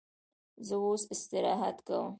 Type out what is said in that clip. زه اوس استراحت کوم.